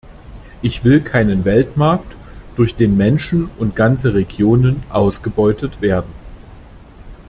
Ich will keinen Weltmarkt, durch den Menschen und ganze Regionen ausgebeutet werden!